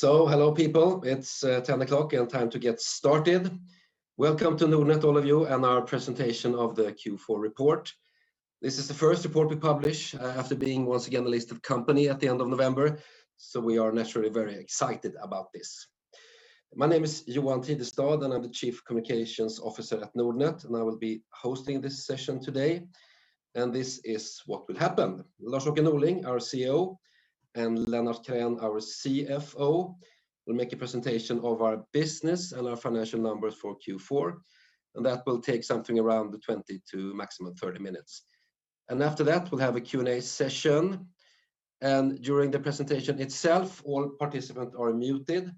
Hello, people. It's 10:00 A.M. and time to get started. Welcome to Nordnet, all of you, and our presentation of the Q4 report. This is the first report we publish after being, once again, the listed company at the end of November. We are naturally very excited about this. My name is Johan Tidestad, and I'm the Chief Communications Officer at Nordnet, and I will be hosting this session today. This is what will happen. Lars-Åke Norling, our CEO, and Lennart Krän, our CFO, will make a presentation of our business and our financial numbers for Q4. That will take something around 20 to maximum 30 minutes. After that, we'll have a Q&A session. During the presentation itself, all participants are muted.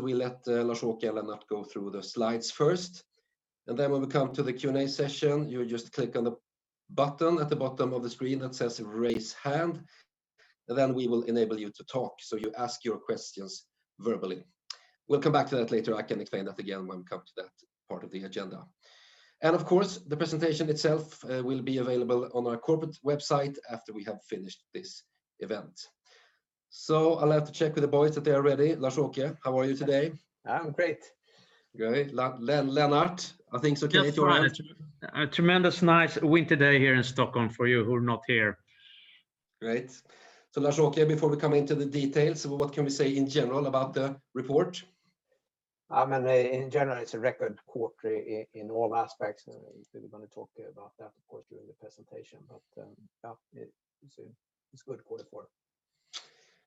We let Lars-Åke and Lennart go through the slides first. When we come to the Q&A session, you just click on the button at the bottom of the screen that says "raise hand," we will enable you to talk, so you ask your questions verbally. We'll come back to that later. I can explain that again when we come to that part of the agenda. Of course, the presentation itself will be available on our corporate website after we have finished this event. I'll have to check with the boys that they are ready. Lars-Åke, how are you today? I'm great. Great. Lennart, are things okay at your end? Yes. A tremendous nice winter day here in Stockholm for you who are not here. Great. Lars-Åke, before we come into the details, what can we say in general about the report? In general, it's a record quarter in all aspects. We're going to talk about that, of course, during the presentation. Yeah, it's a good quarter for it.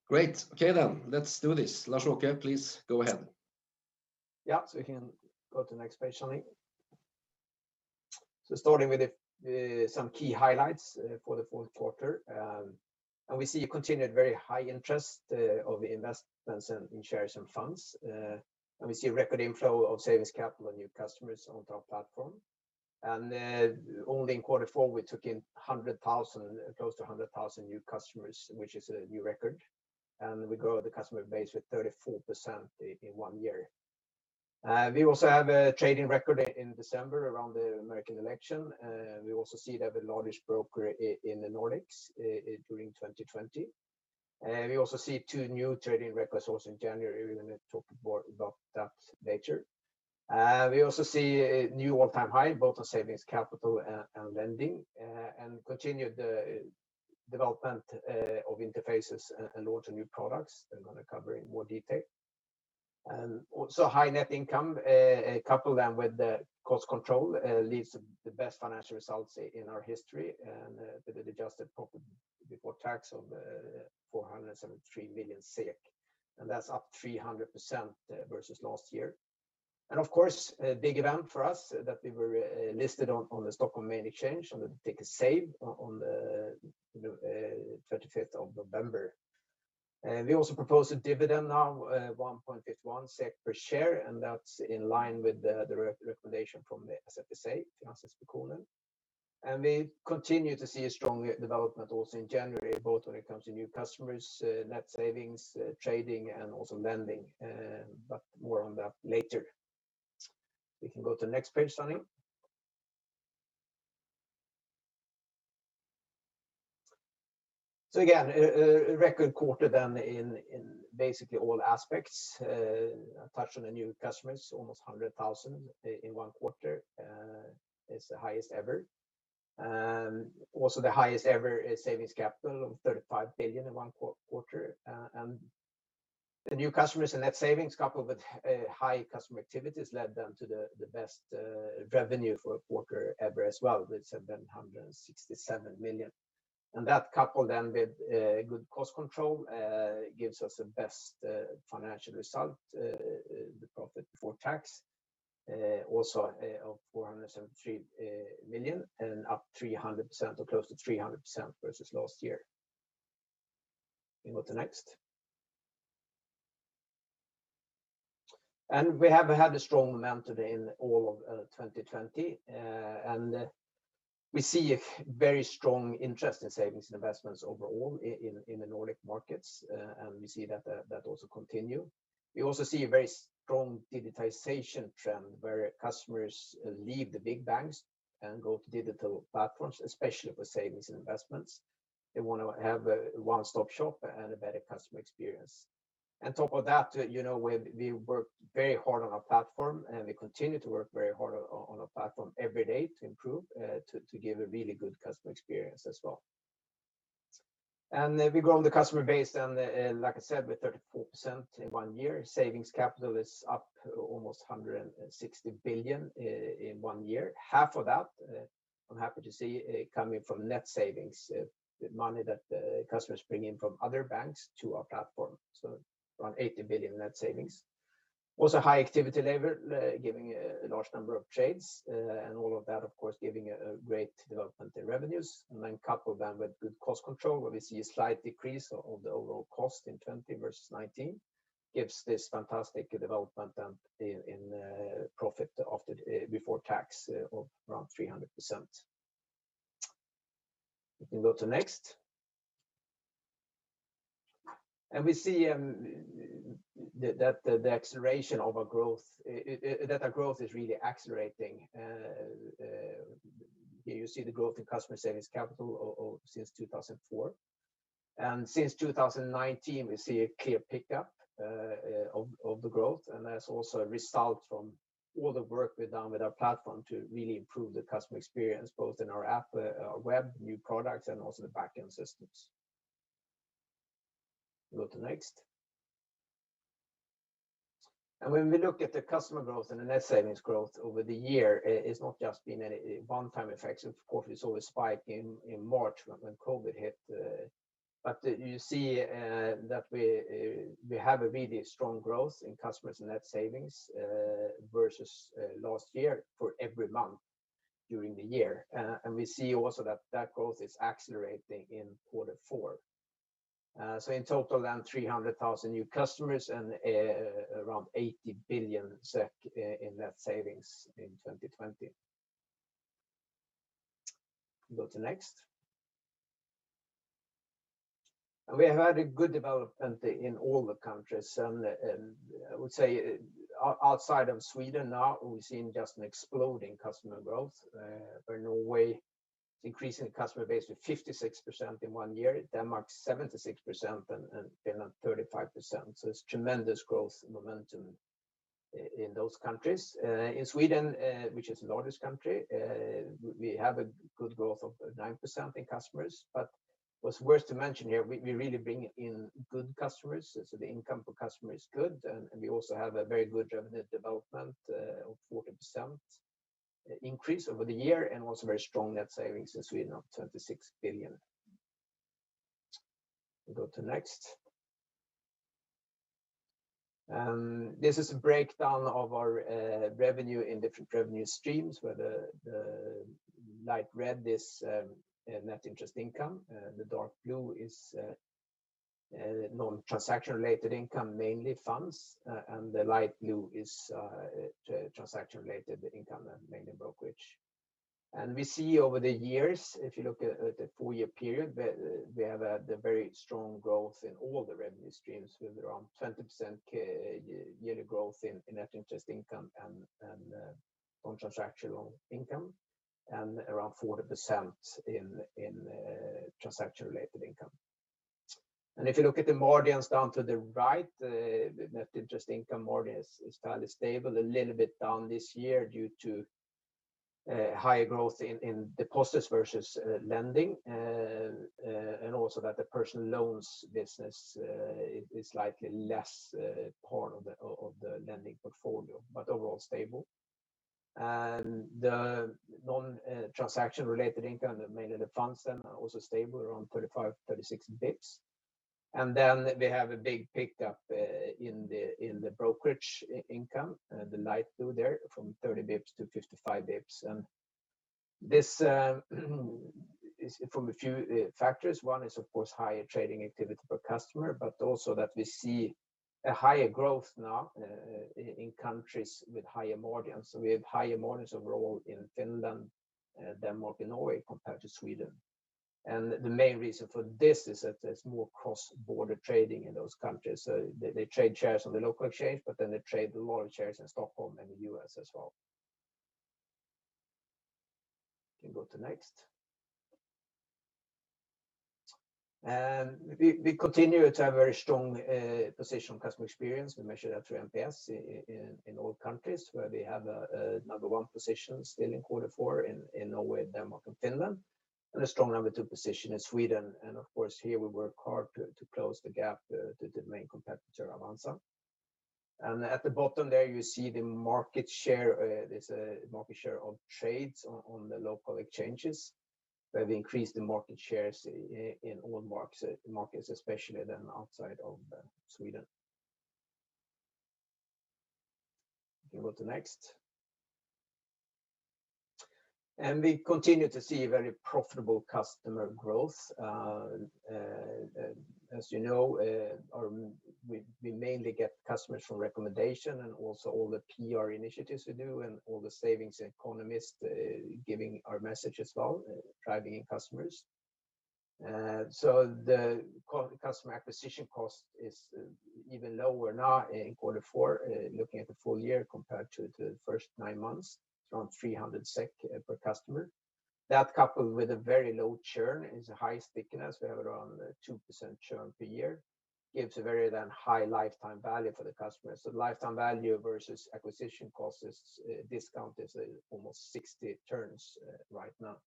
Great. Okay, let's do this. Lars-Åke, please go ahead. Yeah. We can go to the next page, Sonny. Starting with some key highlights for the fourth quarter, we see a continued very high interest of investments in shares and funds. We see a record inflow of savings capital and new customers onto our platform. Only in quarter four, we took in close to 100,000 new customers, which is a new record. We grew the customer base with 34% in one year. We also have a trading record in December around the American election. We also see we have the largest broker in the Nordics during 2020. We also see two new trading records also in January. We're going to talk more about that later. We also see a new all-time high both on savings capital and lending, and continued development of interfaces and launch of new products that I'm going to cover in more detail. High net income, coupled then with the cost control, leads the best financial results in our history, with the adjusted profit before tax of 473 million SEK, and that's up 300% versus last year. Of course, a big event for us that we were listed on the Nasdaq Stockholm on the ticker SAVE on the 25th of November. We also propose a dividend now, 1.51 SEK per share, and that's in line with the recommendation from the SFSA, Finansinspektionen. We continue to see a strong development also in January, both when it comes to new customers, net savings, trading and also lending. More on that later. We can go to the next page, Sonny. Again, a record quarter then in basically all aspects. I touched on the new customers, almost 100,000 in one quarter. It's the highest ever. The highest ever savings capital of 35 billion in one quarter. The new customers and net savings, coupled with high customer activities, led then to the best revenue for a quarter ever as well with 767 million. That, coupled then with good cost control, gives us the best financial result, the profit before tax also of 473 million and up 300%, or close to 300% versus last year. We can go to the next page. We have had a strong momentum in all of 2020, and we see a very strong interest in savings and investments overall in the Nordic markets, and we see that also continue. We also see a very strong digitization trend where customers leave the big banks and go to digital platforms, especially for savings and investments. They want to have a one-stop shop and a better customer experience. On top of that, we worked very hard on our platform, and we continue to work very hard on our platform every day to improve, to give a really good customer experience as well. We grow the customer base then, like I said, with 34% in one year. Savings capital is up almost 160 billion in one year. Half of that, I'm happy to see, coming from net savings, money that customers bring in from other banks to our platform. Around 80 billion net savings. Also high activity level giving a large number of trades, and all of that, of course, giving a great development in revenues. Coupled then with good cost control where we see a slight decrease of the overall cost in 2020 versus 2019 gives this fantastic development then in profit before tax of around 300%. We can go to next. We see the acceleration of our growth is really accelerating. You see the growth in customer savings capital since 2004. Since 2019, we see a clear pickup of the growth, and that's also a result from all the work we've done with our platform to really improve the customer experience, both in our app, our web, new products, and also the back-end systems. Go to next. When we look at the customer growth and the net savings growth over the year, it's not just been any one-time effects. Of course, we saw a spike in March when COVID hit. You see that we have a really strong growth in customers and net savings versus last year for every month during the year. We see also that that growth is accelerating in quarter four. In total, 300,000 new customers and around 80 billion SEK in net savings in 2020. Go to next. We have had a good development in all the countries, and I would say outside of Sweden now, we're seeing just an exploding customer growth, where Norway increasing the customer base with 56% in one year, Denmark 76%, and Finland 35%. It's tremendous growth momentum in those countries. In Sweden, which is the largest country, we have a good growth of 9% in customers. What's worth to mention here, we really bring in good customers, so the income per customer is good, and we also have a very good revenue development of 40% increase over the year, and also very strong net savings in Sweden of 26 billion. Go to next. This is a breakdown of our revenue in different revenue streams, where the light red is net interest income, the dark blue is non-transaction related income, mainly funds, and the light blue is transaction related income and mainly brokerage. We see over the years, if you look at the four-year period, we have had a very strong growth in all the revenue streams with around 20% yearly growth in net interest income and non-transactional income, and around 40% in transaction related income. If you look at the margins down to the right, the net interest income margin is fairly stable, a little bit down this year due to higher growth in deposits versus lending, and also that the personal loans business is likely less part of the lending portfolio, but overall stable. The non-transaction related income, mainly the funds then, are also stable around 35, 36 basis points. We have a big pickup in the brokerage income, the light blue there, from 30 basis points to 55 basis points. This is from a few factors. One is, of course, higher trading activity per customer, but also that we see a higher growth now in countries with higher margins. We have higher margins overall in Finland, Denmark, and Norway compared to Sweden. The main reason for this is that there's more cross-border trading in those countries. They trade shares on the local exchange, they trade more shares in Stockholm and the U.S. as well. Can go to next. We continue to have very strong position on customer experience. We measure that through NPS in all countries where we have a number 1 position still in quarter four in Norway, Denmark, and Finland, and a strong number 2 position in Sweden. Of course, here we work hard to close the gap to the main competitor, Avanza. At the bottom there, you see the market share of trades on the local exchanges, where we increased the market shares in all markets, especially then outside of Sweden. Can go to next. We continue to see very profitable customer growth. As you know, we mainly get customers from recommendation and also all the PR initiatives we do and all the savings economists giving our message as well, driving in customers. The customer acquisition cost is even lower now in quarter four, looking at the full year compared to the first nine months, around 300 SEK per customer. That coupled with a very low churn is a high stickiness. We have around a 2% churn per year, gives a very then high lifetime value for the customer. Lifetime value versus acquisition cost discount is almost 60 turns right now.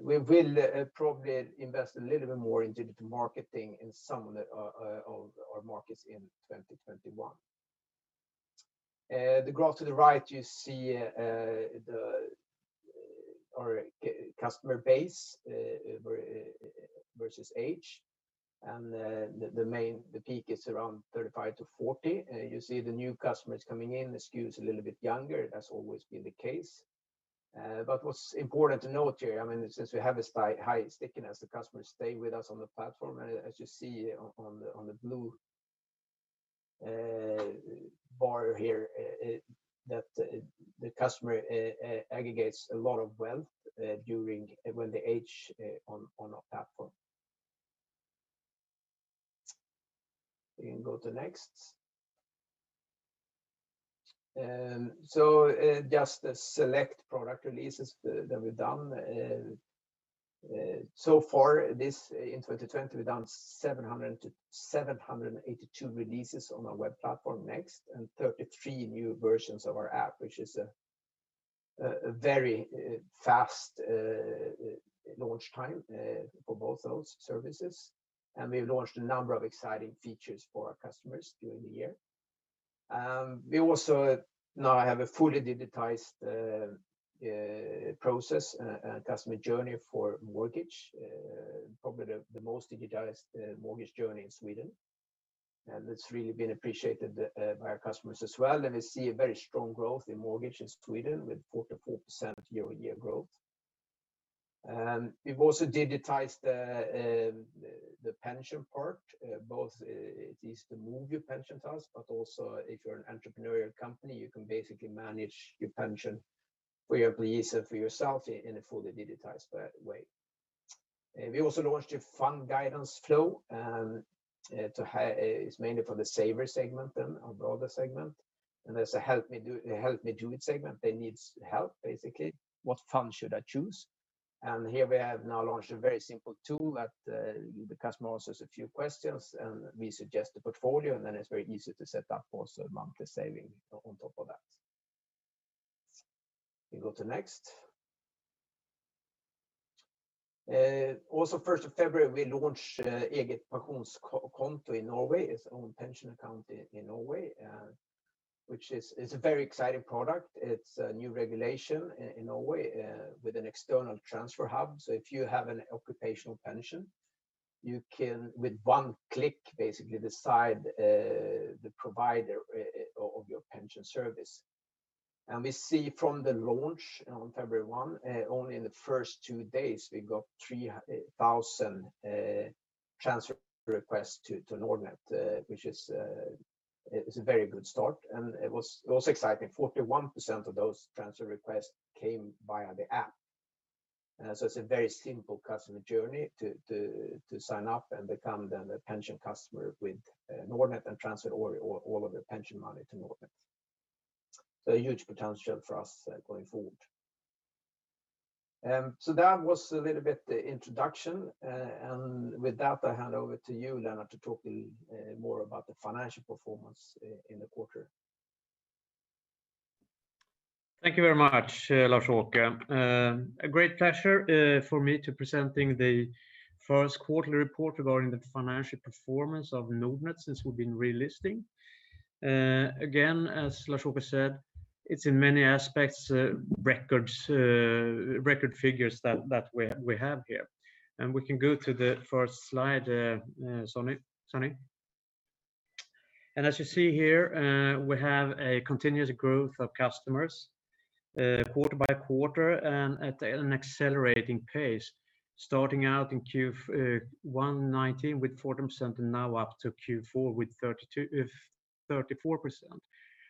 We will probably invest a little bit more into the marketing in some of our markets in 2021. The graph to the right, you see our customer base versus age, and the peak is around 35 to 40. You see the new customers coming in, the skew's a little bit younger, that's always been the case. What's important to note here, since we have this high stickiness, the customers stay with us on the platform, and as you see on the blue bar here that the customer aggregates a lot of wealth when they age on our platform. We can go to next. Just the select product releases that we've done so far this in 2020, we've done 700 to 782 releases on our web platform next, and 33 new versions of our app, which is a very fast launch time for both those services, and we've launched a number of exciting features for our customers during the year. We also now have a fully digitized process customer journey for mortgage, probably the most digitized mortgage journey in Sweden, and it's really been appreciated by our customers as well. We see a very strong growth in mortgages Sweden with 44% year-on-year growth. We've also digitized the pension part both it is to move your pension to us, but also if you're an entrepreneurial company, you can basically manage your pension for your employees and for yourself in a fully digitized way. We also launched a fund guidance flow, it's mainly for the saver segment than our broader segment. There's a help me do it segment that needs help, basically, what fund should I choose? Here we have now launched a very simple tool that the customer answers a few questions and we suggest a portfolio, and then it's very easy to set up also a monthly saving on top of that. We go to next. Also, 1st of February, we launched Eget Pensjonskonto in Norway, its own pension account in Norway which is a very exciting product. It's a new regulation in Norway with an external transfer hub. If you have an occupational pension, you can, with one click, basically decide the provider of your pension service. We see from the launch on February 1, only in the first two days, we got 3,000 transfer requests to Nordnet which is a very good start, and it was also exciting. 41% of those transfer requests came via the app. It's a very simple customer journey to sign up and become then a pension customer with Nordnet and transfer all of your pension money to Nordnet. A huge potential for us going forward. That was a little bit the introduction and with that, I hand over to you, Lennart, to talk a little more about the financial performance in the quarter. Thank you very much, Lars-Åke. A great pleasure for me to presenting the first quarterly report regarding the financial performance of Nordnet since we've been relisting. Again, as Lars-Åke said, it's in many aspects record figures that we have here. We can go to the first slide, Sonny. As you see here, we have a continuous growth of customers quarter by quarter and at an accelerating pace, starting out in Q1 2019 with 40% and now up to Q4 with 34%.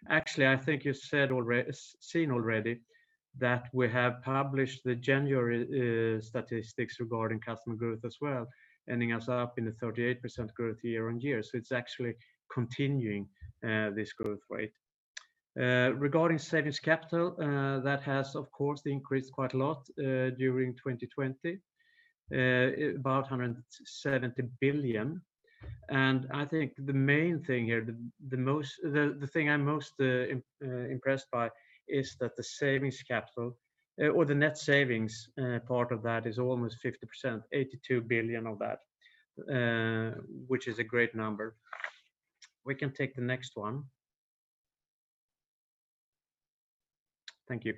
Actually, I think you've seen already that we have published the January statistics regarding customer growth as well, ending us up in the 38% growth year-on-year. It's actually continuing this growth rate. Regarding savings capital, that has, of course, increased quite a lot during 2020, about 170 billion. I think the main thing here, the thing I'm most impressed by is that the savings capital or the net savings part of that is almost 50%, 82 billion of that, which is a great number. We can take the next one. Thank you.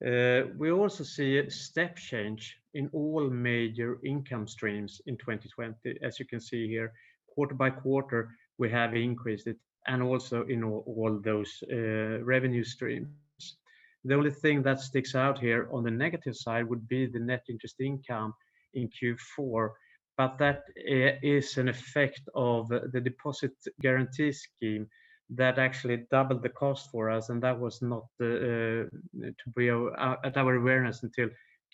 We also see a step change in all major income streams in 2020. As you can see here, quarter by quarter, we have increased it, and also in all those revenue streams. The only thing that sticks out here on the negative side would be the net interest income in Q4, but that is an effect of the deposit guarantee scheme that actually doubled the cost for us, and that was not at our awareness until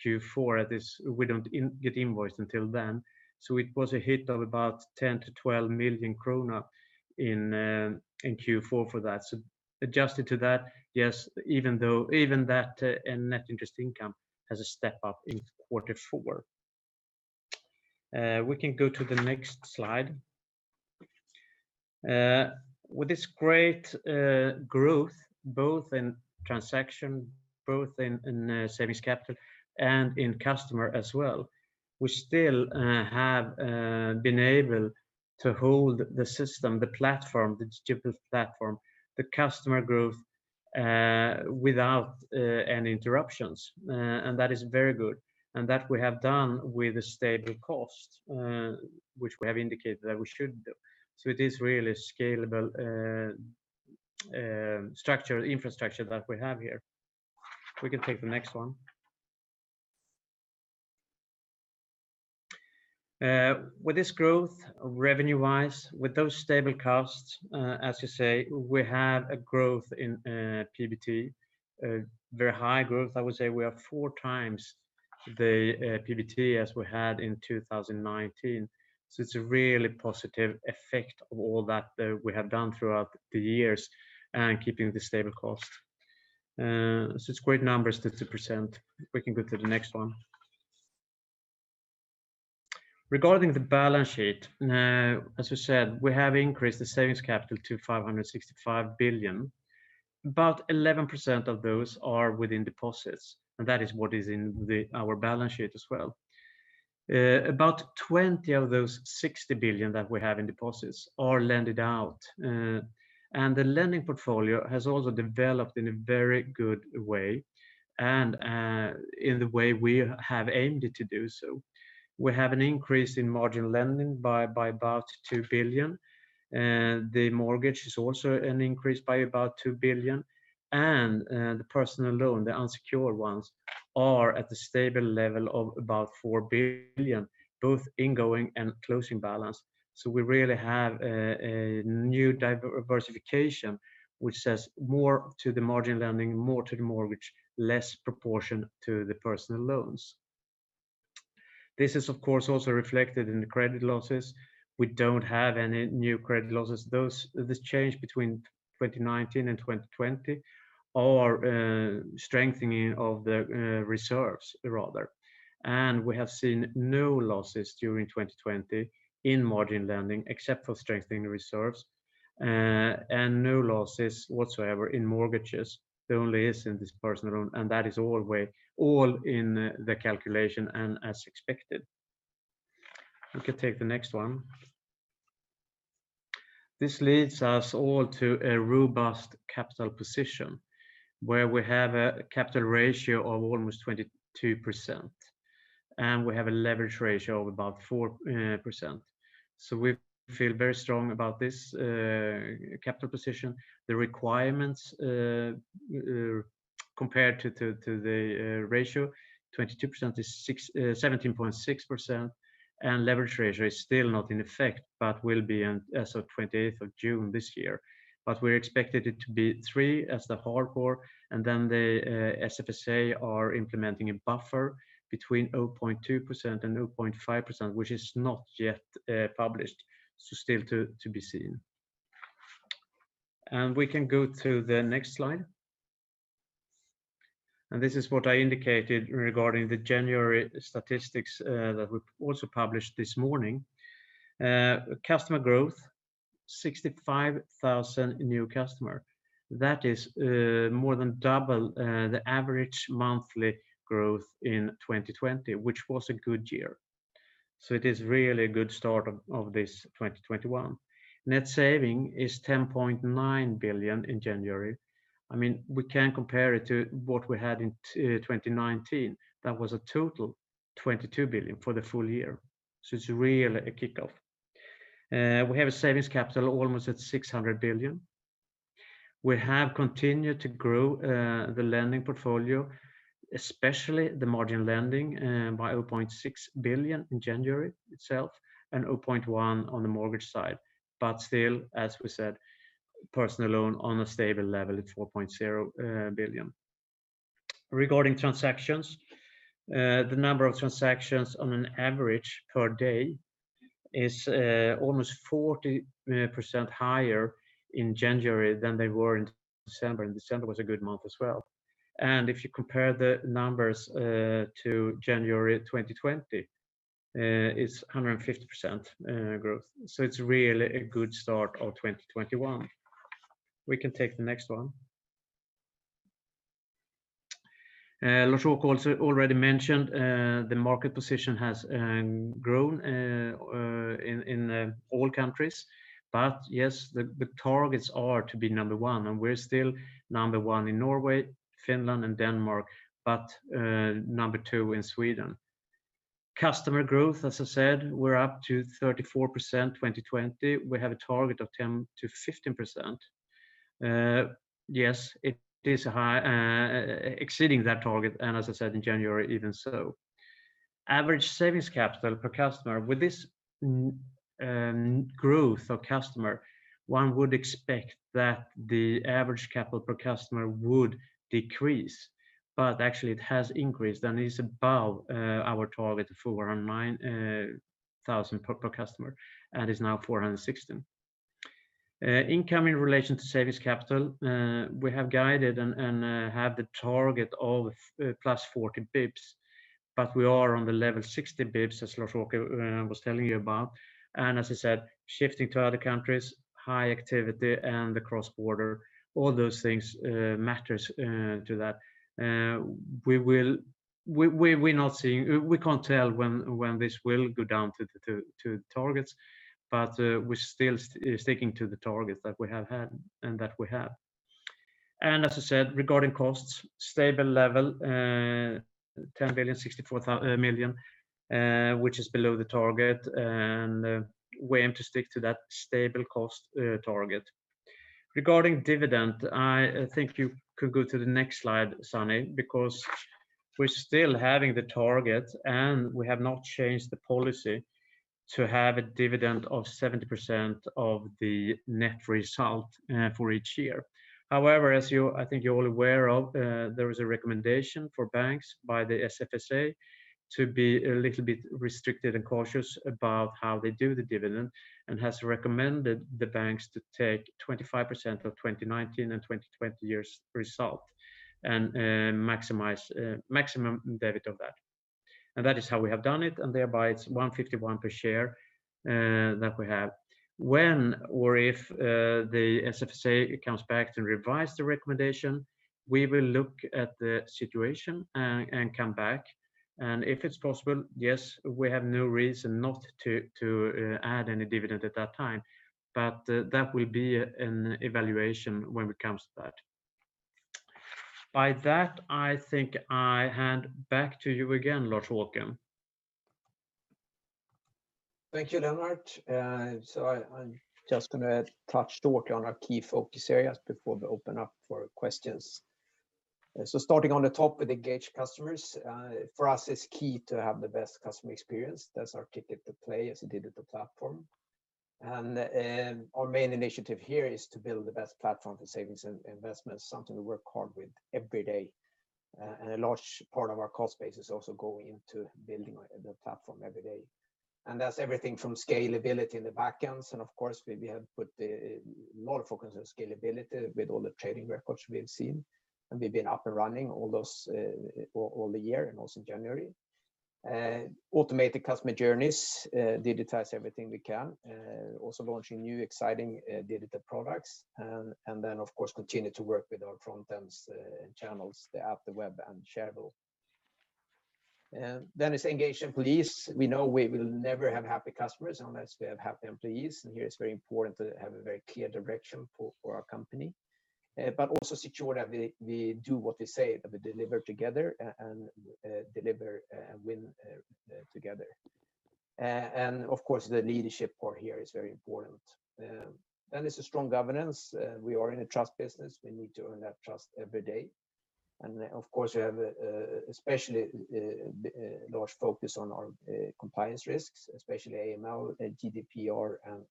Q4. We don't get invoiced until then. It was a hit of about 10 million-12 million krona in Q4 for that. Adjusted to that, yes, even that net interest income has a step up in quarter four. We can go to the next slide. With this great growth, both in transaction, both in savings capital and in customer as well, we still have been able to hold the system, the platform, the digital platform, the customer growth, without any interruptions. That is very good. That we have done with a stable cost, which we have indicated that we should do. It is really scalable infrastructure that we have here. We can take the next one. With this growth revenue-wise, with those stable costs, as you say, we have a growth in PBT, very high growth. I would say we have four times the PBT as we had in 2019. It's a really positive effect of all that we have done throughout the years and keeping the stable cost. It's great numbers to present. We can go to the next one. Regarding the balance sheet. As we said, we have increased the savings capital to 565 billion. About 11% of those are within deposits, and that is what is in our balance sheet as well. About 20 of those 60 billion that we have in deposits are lended out. The lending portfolio has also developed in a very good way and in the way we have aimed to do so. We have an increase in margin lending by about 2 billion. The mortgage is also an increase by about 2 billion. The personal loan, the unsecured ones, are at the stable level of about 4 billion, both ingoing and closing balance. We really have a new diversification, which says more to the margin lending, more to the mortgage, less proportion to the personal loans. This is, of course, also reflected in the credit losses. We don't have any new credit losses. This change between 2019 and 2020 are strengthening of the reserves rather. We have seen no losses during 2020 in margin lending, except for strengthening the reserves and no losses whatsoever in mortgages. There only is in this personal loan, and that is all in the calculation and as expected. You can take the next one. This leads us all to a robust capital position where we have a capital ratio of almost 22%, and we have a leverage ratio of about 4%. We feel very strong about this capital position. The requirements compared to the ratio, 22% is 17.6%. Leverage ratio is still not in effect but will be as of 28th of June this year. We expected it to be 3 as the hardcore. The SFSA are implementing a buffer between 0.2% and 0.5%, which is not yet published. Still to be seen. We can go to the next slide. This is what I indicated regarding the January statistics that we also published this morning. Customer growth, 65,000 new customer. That is more than double the average monthly growth in 2020, which was a good year. It is really a good start of this 2021. Net saving is 10.9 billion in January. We can compare it to what we had in 2019. That was a total 22 billion for the full year. It's really a kickoff. We have a savings capital almost at 600 billion. We have continued to grow the lending portfolio, especially the margin lending, by 0.6 billion in January itself and 0.1 billion on the mortgage side. Still, as we said, personal loan on a stable level at 4.0 billion. Regarding transactions, the number of transactions on an average per day is almost 40% higher in January than they were in December was a good month as well. If you compare the numbers to January 2020, it is 150% growth. It is really a good start of 2021. We can take the next one. Lars-Åke also already mentioned the market position has grown in all countries. Yes, the targets are to be number one, we are still number one in Norway, Finland, and Denmark, but number two in Sweden. Customer growth, as I said, we are up to 34% 2020. We have a target of 10%-15%. Yes, it is exceeding that target, and as I said, in January even so. Average savings capital per customer. With this growth of customer, one would expect that the average capital per customer would decrease, but actually it has increased and is above our target of 409,000 per customer and is now 416,000. Income in relation to savings capital. We have guided and have the target of +40 basis points, we are on the level 60 basis points, as Lars-Åke was telling you about. As I said, shifting to other countries, high activity and the cross-border, all those things matters to that. We can't tell when this will go down to targets, we're still sticking to the targets that we have had and that we have. As I said, regarding costs, stable level, 10 billion, 64 million, which is below the target, and we aim to stick to that stable cost target. Regarding dividend, I think you could go to the next slide, Sonny, because we're still having the target and we have not changed the policy to have a dividend of 70% of the net result for each year. However, as I think you're all aware, there is a recommendation for banks by the SFSA to be a little bit restricted and cautious about how they do the dividend, and has recommended the banks to take 25% of 2019 and 2020 years' result and maximum dividend of that. That is how we have done it, and thereby it's 151 per share that we have. When or if the SFSA comes back to revise the recommendation, we will look at the situation and come back. If it's possible, yes, we have no reason not to add any dividend at that time. That will be an evaluation when it comes to that. By that, I think I hand back to you again, Lars-Åke Norling. Thank you, Lennart. I'm just going to touch shortly on our key focus areas before we open up for questions. Starting on the top with engaged customers. For us, it's key to have the best customer experience. That's our ticket to play as a digital platform. Our main initiative here is to build the best platform for savings and investments, something we work hard with every day. A large part of our cost base is also going into building the platform every day. That's everything from scalability in the backends, and of course, we have put a lot of focus on scalability with all the trading records we have seen, and we've been up and running all the year and also in January. Automate the customer journeys, digitize everything we can. Also launching new, exciting digital products. Of course, continue to work with our front ends channels, the app, the web and Shareville. It's engaged employees. We know we will never have happy customers unless we have happy employees, and here it's very important to have a very clear direction for our company. Also ensure that we do what we say, that we deliver together and win together. Of course, the leadership part here is very important. It's a strong governance. We are in a trust business. We need to earn that trust every day. Of course, we have especially a large focus on our compliance risks, especially AML, GDPR, and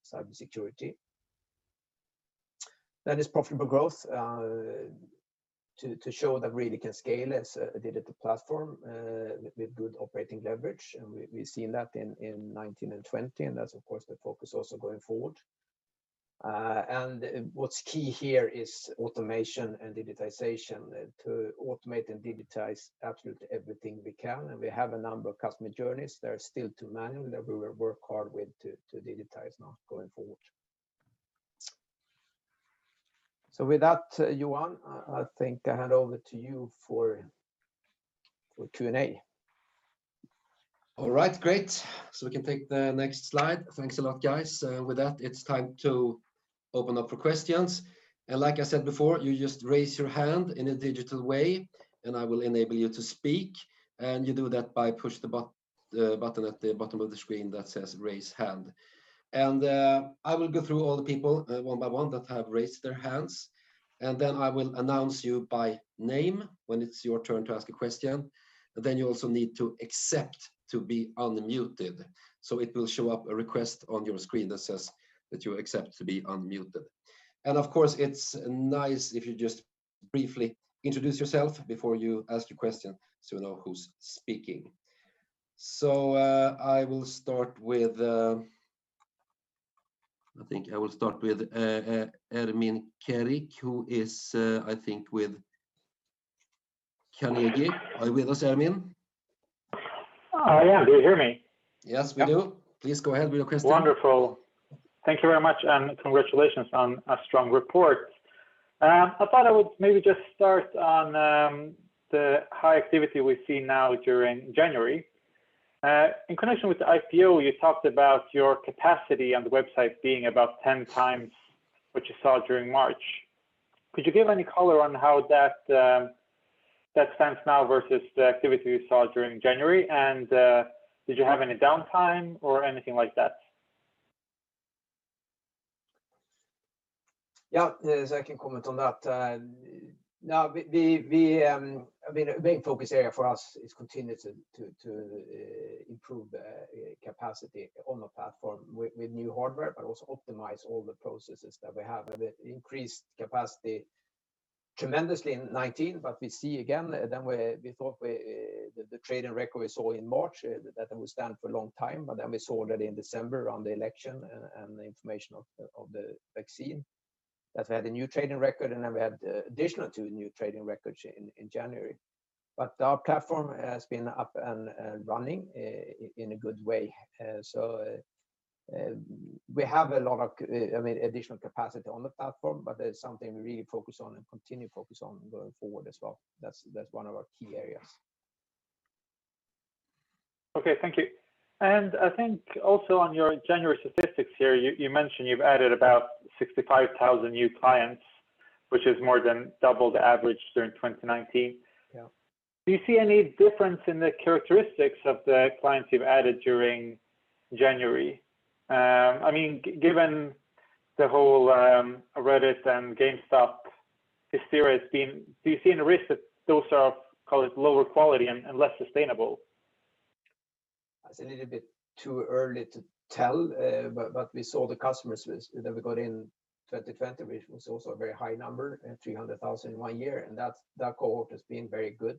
cybersecurity. It's profitable growth to show that we really can scale as a digital platform with good operating leverage, and we've seen that in 2019 and 2020, and that's of course the focus also going forward. What's key here is automation and digitization to automate and digitize absolutely everything we can, and we have a number of customer journeys that are still too manual that we will work hard with to digitize now going forward. With that, Johan, I think I hand over to you for Q&A. All right. Great. We can take the next slide. Thanks a lot, guys. With that, it's time to open up for questions. Like I said before, you just raise your hand in a digital way, and I will enable you to speak. You do that by push the button at the bottom of the screen that says Raise Hand. I will go through all the people one by one that have raised their hands, and then I will announce you by name when it's your turn to ask a question. You also need to accept to be unmuted. It will show up a request on your screen that says that you accept to be unmuted. Of course, it's nice if you just briefly introduce yourself before you ask your question so we know who's speaking. I will start with Ermin Keric, who is, I think, with Carnegie. Are you with us, Ermin? I am. Do you hear me? Yes, we do. Please go ahead with your question. Wonderful. Thank you very much, and congratulations on a strong report. I thought I would maybe just start on the high activity we see now during January. In connection with the IPO, you talked about your capacity on the website being about 10 times what you saw during March. Could you give any color on how that stands now versus the activity you saw during January? Did you have any downtime or anything like that? Yeah. I can comment on that. Now, a main focus area for us is continue to improve capacity on the platform with new hardware, but also optimize all the processes that we have, and we increased capacity tremendously in 2019. We see again, we thought the trading record we saw in March, that it would stand for a long time. We saw that in December around the election and the information of the vaccine, that we had a new trading record, and then we had additional two new trading records in January. Our platform has been up and running in a good way. We have a lot of additional capacity on the platform, but that's something we really focus on and continue to focus on going forward as well. That's one of our key areas. Okay. Thank you. I think also on your January statistics here, you mentioned you've added about 65,000 new clients, which is more than double the average during 2019. Yeah. Do you see any difference in the characteristics of the clients you've added during January? Given the whole Reddit and GameStop hysteria has been, do you see any risk that those are, call it lower quality and less sustainable? It's a little bit too early to tell. We saw the customers that we got in 2020, which was also a very high number, 300,000 in one year. That cohort has been very good,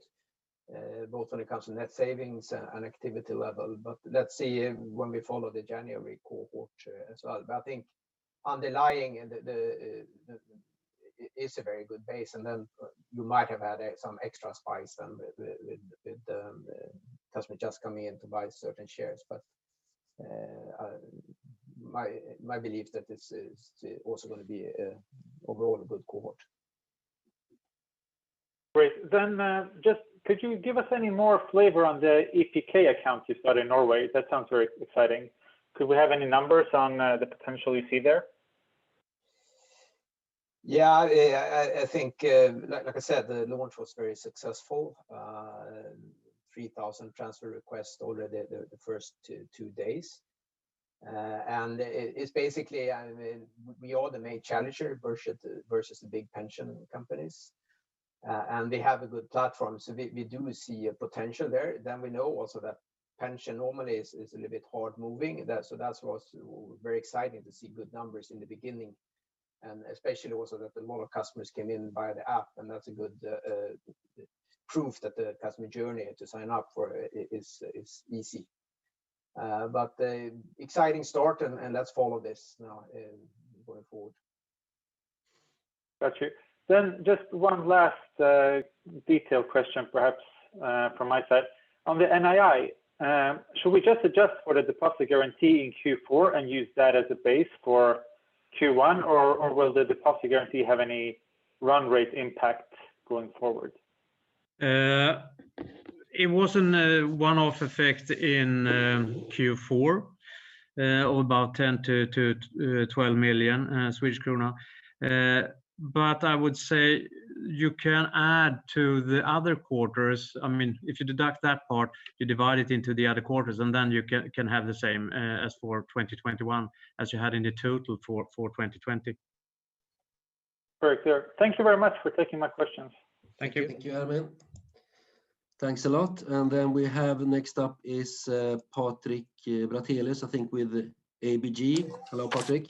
both when it comes to net savings and activity level. Let's see when we follow the January cohort as well. I think underlying, it is a very good base. You might have had some extra spice with the customer just coming in to buy certain shares. My belief that this is also going to be overall a good cohort. Great. Just could you give us any more flavor on the EPK accounts you've got in Norway? That sounds very exciting. Could we have any numbers on the potential you see there? Yeah. I think, like I said, the launch was very successful. 3,000 transfer requests already the first two days. It is basically, we are the main challenger versus the big pension companies. They have a good platform. We do see a potential there. We know also that pension normally is a little bit hard moving. That was very exciting to see good numbers in the beginning, and especially also that a lot of customers came in via the app, and that's a good proof that the customer journey to sign up for it is easy. Exciting start and let's follow this now going forward. Got you. Just one last detail question perhaps from my side. On the NII, should we just adjust for the deposit guarantee in Q4 and use that as a base for Q1, or will the deposit guarantee have any run rate impact going forward? It was a one-off effect in Q4 of about 10 million-12 million Swedish krona. I would say you can add to the other quarters. If you deduct that part, you divide it into the other quarters, and then you can have the same as for 2021 as you had in the total for 2020. Very clear. Thank you very much for taking my questions. Thank you. Thank you, Ermin. Thanks a lot. We have next up is Patrik Brattelius, I think with ABG. Hello, Patrik.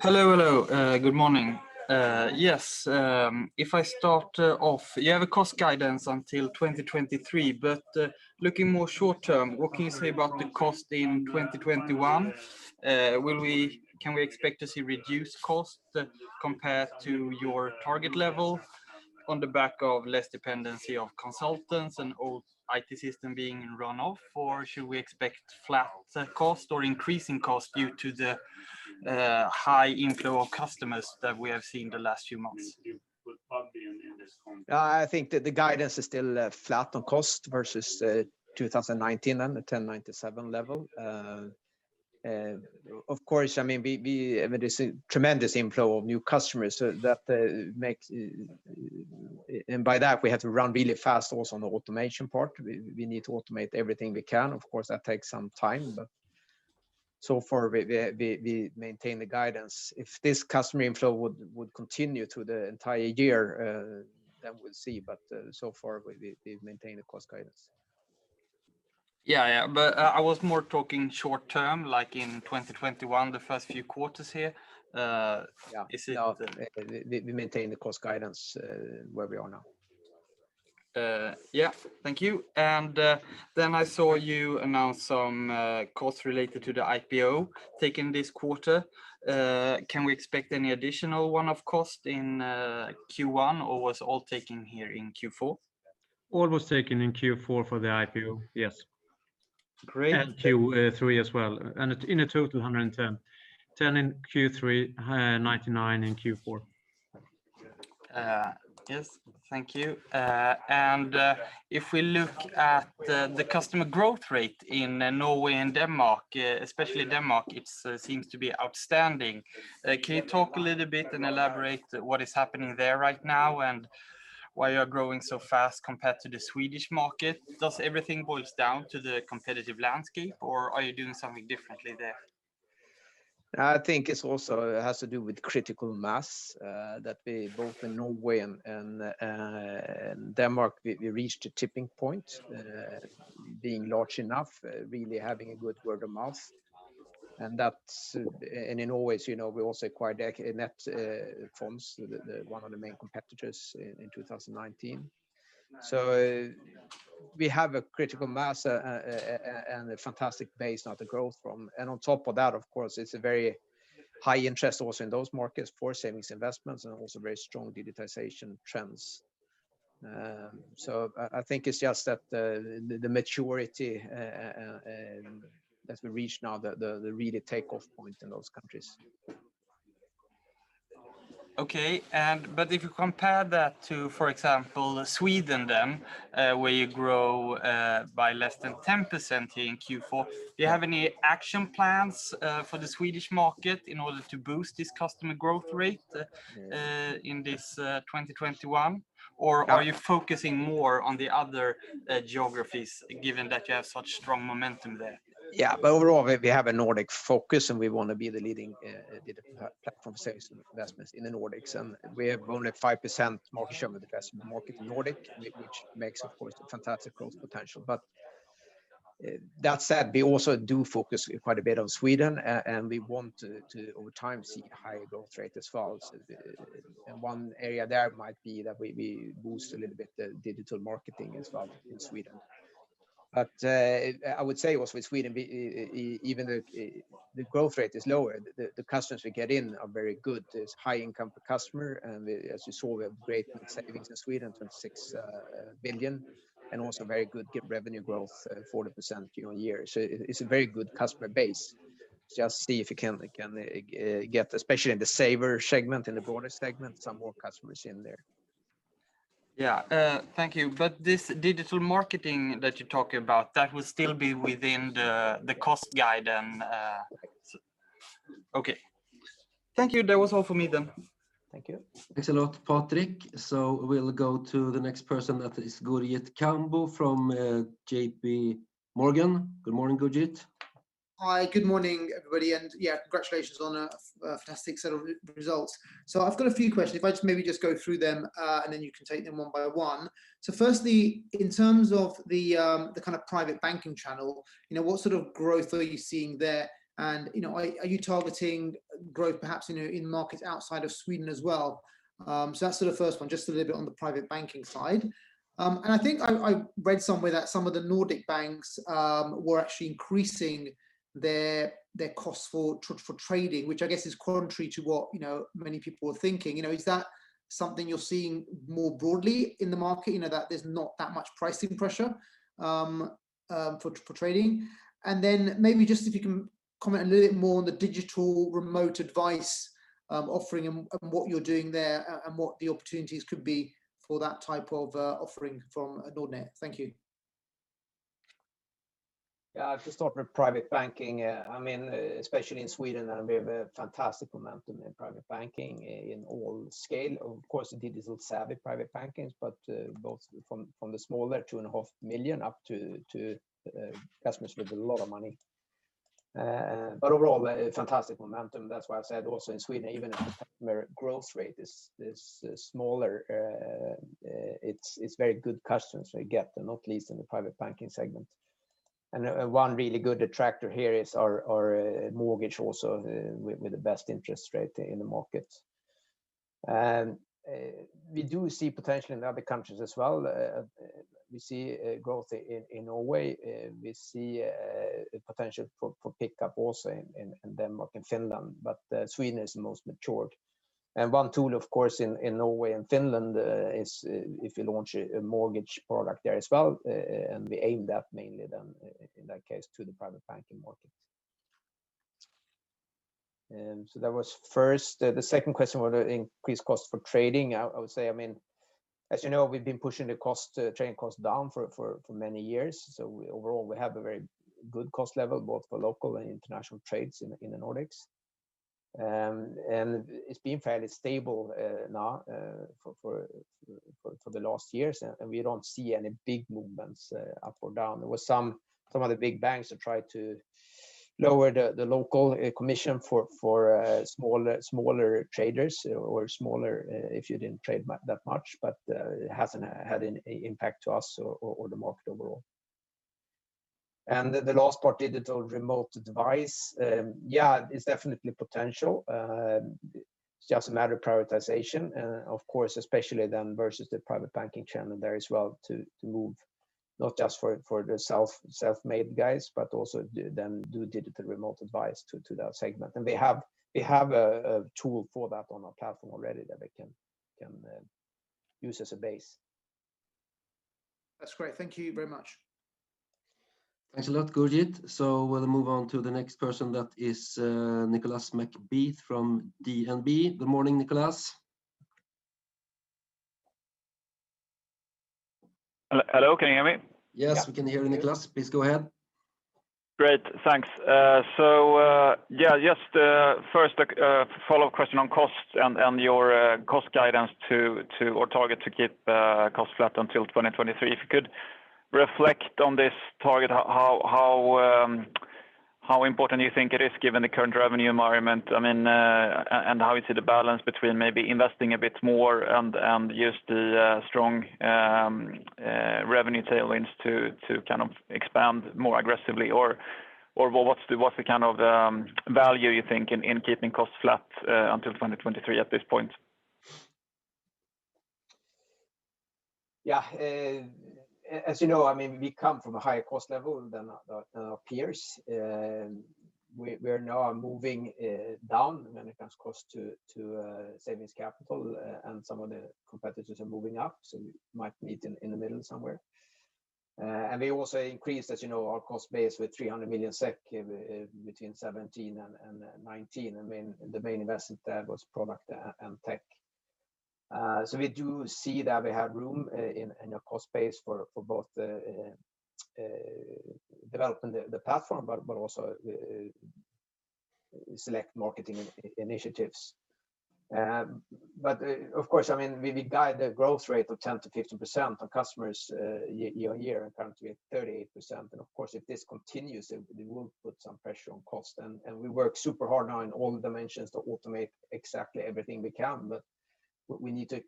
Hello, hello. Good morning. Yes, if I start off, you have a cost guidance until 2023, but looking more short term, what can you say about the cost in 2021? Can we expect to see reduced costs compared to your target level on the back of less dependency of consultants and old IT system being run off, or should we expect flat cost or increasing cost due to the high inflow of customers that we have seen the last few months? I think that the guidance is still flat on cost versus 2019 and the 1097 level. Of course, there's a tremendous inflow of new customers. By that, we have to run really fast also on the automation part. We need to automate everything we can. Of course, that takes some time. So far we maintain the guidance. If this customer inflow would continue through the entire year, we'll see. So far, we've maintained the cost guidance. Yeah. I was more talking short term, like in 2021, the first few quarters here. Yeah. We maintain the cost guidance where we are now. Yeah. Thank you. I saw you announce some costs related to the IPO taken this quarter. Can we expect any additional one-off cost in Q1, or was all taken here in Q4? All was taken in Q4 for the IPO. Yes. Great. Q3 as well. In a total, 110. 10 in Q3, 99 in Q4. Yes. Thank you. If we look at the customer growth rate in Norway and Denmark, especially Denmark, it seems to be outstanding. Can you talk a little bit and elaborate what is happening there right now and why you're growing so fast compared to the Swedish market? Does everything boils down to the competitive landscape, or are you doing something differently there? I think it also has to do with critical mass, that we both in Norway and Denmark, we reached a tipping point, being large enough, really having a good word of mouth. In Norway, we also acquired Netfonds, one of the main competitors in 2019. We have a critical mass and a fantastic base now to grow from. On top of that, of course, it's a very high interest also in those markets for savings investments and also very strong digitization trends. I think it's just that the maturity has reached now the really takeoff point in those countries. Okay. If you compare that to, for example, Sweden then, where you grow by less than 10% in Q4, do you have any action plans for the Swedish market in order to boost this customer growth rate in this 2021? Are you focusing more on the other geographies given that you have such strong momentum there? Overall, we have a Nordic focus, and we want to be the leading platform for savings and investments in the Nordics. We have only 5% market share with the customer market in Nordic, which makes, of course, a fantastic growth potential. That said, we also do focus quite a bit on Sweden, and we want to, over time, see higher growth rate as well. One area there might be that we boost a little bit the digital marketing as well in Sweden. I would say also with Sweden, even if the growth rate is lower, the customers we get in are very good. It's high income per customer, and as you saw, we have great savings in Sweden, 26 billion, and also very good revenue growth, 40% year-on-year. It's a very good customer base. Just see if we can get, especially in the saver segment, in the bonus segment, some more customers in there. Yeah. Thank you. This digital marketing that you're talking about, that will still be within the cost guide. Okay. Thank you. That was all for me then. Thank you. Thanks a lot, Patrik. We'll go to the next person, that is Gurjit Kambo from J.P. Morgan. Good morning, Gurjit. Hi, good morning, everybody. Yeah, congratulations on a fantastic set of results. I've got a few questions. If I just maybe go through them, and then you can take them one by one. Firstly, in terms of the kind of private banking channel, what sort of growth are you seeing there? Are you targeting growth perhaps in markets outside of Sweden as well? That's the first one, just a little bit on the private banking side. I think I read somewhere that some of the Nordic banks were actually increasing their costs for trading, which I guess is contrary to what many people were thinking. Is that something you're seeing more broadly in the market, that there's not that much pricing pressure for trading? Maybe just if you can comment a little bit more on the digital remote advice offering and what you're doing there and what the opportunities could be for that type of offering from Nordnet. Thank you. To start with private banking, especially in Sweden, we have a fantastic momentum in private banking in all scale. Of course, it is a little savvy private banking, but both from the smaller two and a half million up to customers with a lot of money. Overall, fantastic momentum. That's why I said also in Sweden, even if the growth rate is smaller, it's very good customers we get, and not least in the private banking segment. One really good attractor here is our mortgage also with the best interest rate in the market. We do see potential in other countries as well. We see growth in Norway. We see potential for pickup also in Denmark and Finland, but Sweden is the most matured. One tool, of course, in Norway and Finland is if we launch a mortgage product there as well, we aim that mainly then in that case to the private banking market. That was first. The second question was increased cost for trading. I would say, as you know, we've been pushing the trading cost down for many years. Overall, we have a very good cost level, both for local and international trades in the Nordics. It's been fairly stable now for the last years, we don't see any big movements up or down. There were some of the big banks that tried to lower the local commission for smaller traders or smaller if you didn't trade that much, it hasn't had any impact to us or the market overall. The last part, digital remote advice. Yeah, it's definitely potential. It's just a matter of prioritization, of course, especially then versus the private banking channel there as well to move not just for the self-made guys, but also then do digital remote advice to that segment. We have a tool for that on our platform already that we can use as a base. That's great. Thank you very much. Thanks a lot, Gurjit. We'll move on to the next person. That is Nicolas McBeath from DNB. Good morning, Nicolas. Hello, can you hear me? Yes, we can hear you, Nicolas. Please go ahead. Great, thanks. Just first a follow-up question on costs and your cost guidance to our target to keep costs flat until 2023. If you could reflect on this target, how important you think it is given the current revenue environment, and how you see the balance between maybe investing a bit more and use the strong revenue tailwinds to kind of expand more aggressively? What's the kind of value you think in keeping costs flat until 2023 at this point? Yeah. As you know, we come from a higher cost level than our peers. We are now moving down when it comes cost to savings capital, and some of the competitors are moving up, so we might meet in the middle somewhere. We also increased, as you know, our cost base with 300 million SEK between 2017 and 2019, and the main investment there was product and tech. We do see that we have room in our cost base for both developing the platform, but also select marketing initiatives. Of course, we guide the growth rate of 10%-15% of customers year-over-year and currently at 38%. Of course, if this continues, it will put some pressure on cost. We work super hard now in all dimensions to automate exactly everything we can, but we need to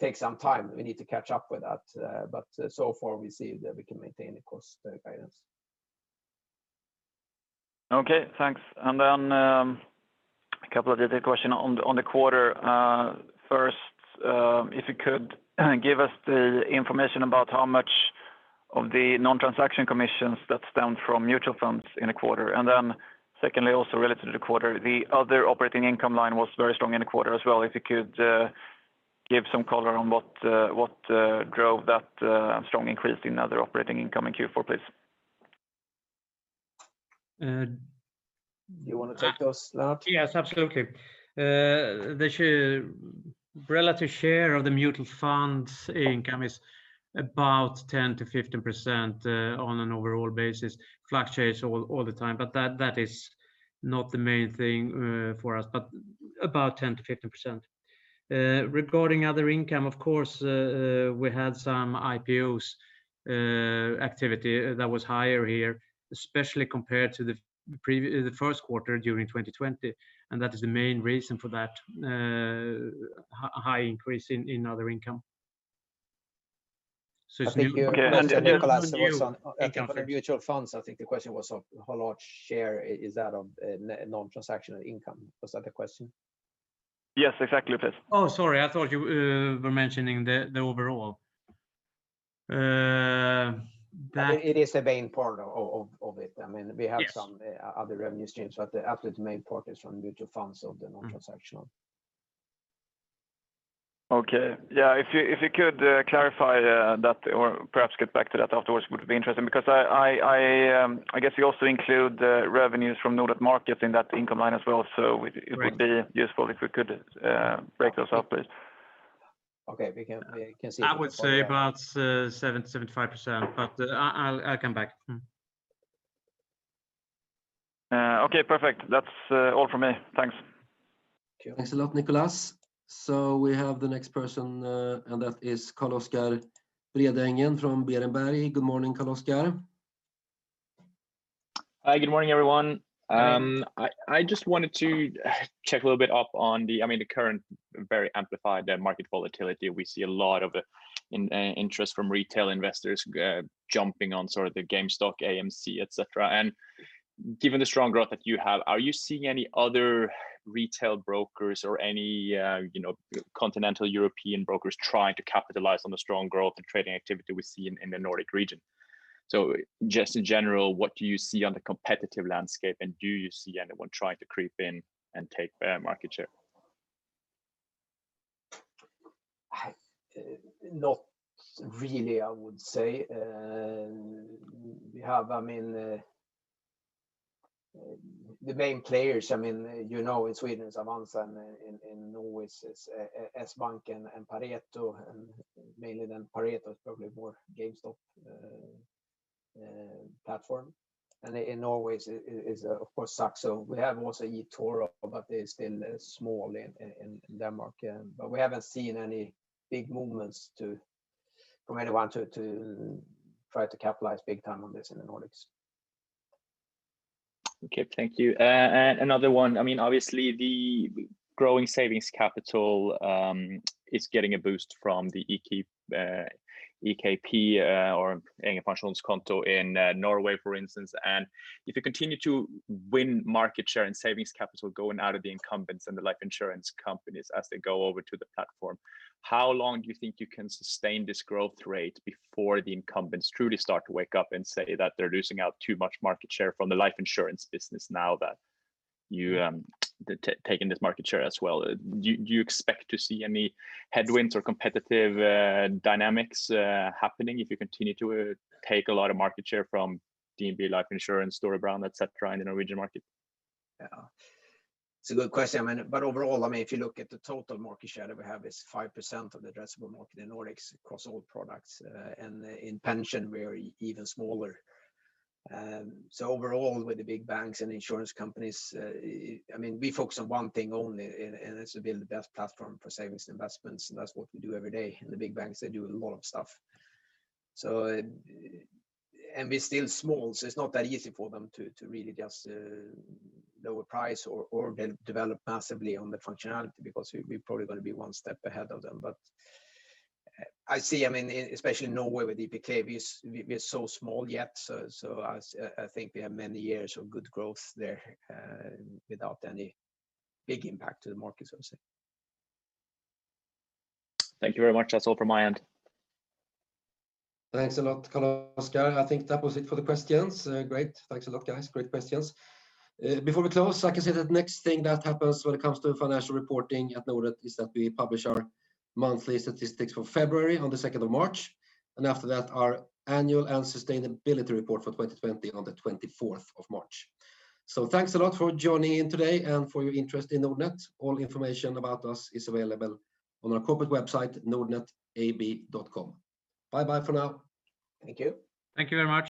take some time. We need to catch up with that. So far, we see that we can maintain the course guidance. Okay, thanks. A couple of detailed questions on the quarter. First, if you could give us the information about how much of the non-transaction commissions that stemmed from mutual funds in a quarter. Secondly, also relative to the quarter, the other operating income line was very strong in the quarter as well. If you could give some color on what drove that strong increase in other operating income in Q4, please. You want to take those, Lennart? Yes, absolutely. The relative share of the mutual funds income is about 10% to 15% on an overall basis. Fluctuates all the time, but that is not the main thing for us, but about 10% to 15%. Regarding other income, of course, we had some IPOs activity that was higher here, especially compared to the first quarter during 2020, and that is the main reason for that high increase in other income. I think you asked Nicolas for the mutual funds, I think the question was of how large share is that of non-transactional income. Was that the question? Yes, exactly. Please. Oh, sorry, I thought you were mentioning the overall. It is a main part of it. We have some other revenue streams, but absolutely the main part is from mutual funds of the non-transactional. Okay. If you could clarify that or perhaps get back to that afterwards, it would be interesting because I guess you also include revenues from Nordnet Markets in that income line as well, so it would be useful if you could break those up, please. Okay. We can see. I would say about 70%-75%, but I'll come back. Okay, perfect. That's all from me. Thanks. Thanks a lot, Nicolas. We have the next person, and that is Carl-Oscar Bredengen from Berenberg. Good morning, Carl-Oscar. Hi, good morning, everyone. I just wanted to check a little bit up on the current very amplified market volatility. We see a lot of interest from retail investors jumping on sort of the GameStop, AMC, et cetera. Given the strong growth that you have, are you seeing any other retail brokers or any continental European brokers trying to capitalize on the strong growth and trading activity we see in the Nordic region? Just in general, what do you see on the competitive landscape, and do you see anyone trying to creep in and take market share? Not really, I would say. The main players you know in Sweden is Avanza, in Norway is Sbanken and Pareto. Mainly then Pareto is probably more GameStop platform. In Norway is of course Saxo. We have also eToro, but it's still small in Denmark. We haven't seen any big movements from anyone to try to capitalize big time on this in the Nordics. Okay, thank you. Another one, obviously the growing savings capital is getting a boost from the EPK or egen pensjonskonto in Norway, for instance. If you continue to win market share and savings capital going out of the incumbents and the life insurance companies as they go over to the platform, how long do you think you can sustain this growth rate before the incumbents truly start to wake up and say that they're losing out too much market share from the life insurance business now that you're taking this market share as well? Do you expect to see any headwinds or competitive dynamics happening if you continue to take a lot of market share from DNB Livsforsikring, Storebrand, et cetera, in the Norwegian market? Yeah. It's a good question. Overall, if you look at the total market share that we have is 5% of the addressable market in Nordics across all products. In pension, we're even smaller. Overall, with the big banks and insurance companies, we focus on one thing only, and it's to build the best platform for savings and investments, and that's what we do every day. The big banks, they do a lot of stuff. We're still small, so it's not that easy for them to really just lower price or develop massively on the functionality because we're probably going to be one step ahead of them. I see, especially in Norway with EPK, we're so small yet, so I think we have many years of good growth there without any big impact to the market, I would say. Thank you very much. That's all from my end. Thanks a lot, Carl-Oscar. I think that was it for the questions. Great. Thanks a lot, guys. Great questions. Before we close, I can say that next thing that happens when it comes to financial reporting at Nordnet is that we publish our monthly statistics for February on the 2nd of March. After that, our annual and sustainability report for 2020 on the 24th of March. Thanks a lot for joining in today and for your interest in Nordnet. All information about us is available on our corporate website, nordnetab.com. Bye-bye for now. Thank you. Thank you very much.